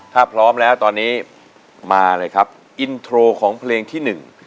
ถ้าพร้อมแล้วตอนนี้มาเลยครับอินโทรของเพลงที่หนึ่ง